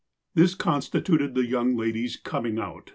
This constituted the young lady's " com ing out."